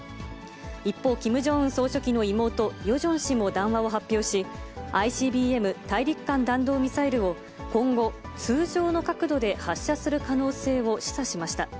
一方、キム・ジョンウン総書記の妹、ヨジョン氏も談話を発表し、ＩＣＢＭ・大陸間弾道ミサイルを今後、通常の角度で発射する可能性を示唆しました。